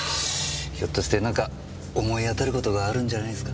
ひょっとして何か思い当たる事があるんじゃないですか？